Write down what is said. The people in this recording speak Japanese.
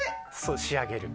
仕上げると。